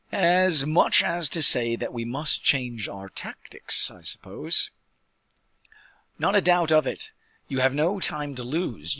"As much as to say that we must change our tactics, I suppose?" "Not a doubt of it; you have no time to lose.